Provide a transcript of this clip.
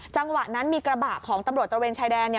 จังหวะนั้นมีกระบะของตำรวจตระเวนชายแดนเนี่ย